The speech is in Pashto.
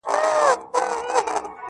تا ولي هر څه اور ته ورکړل د یما لوري.